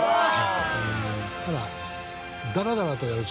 ただ。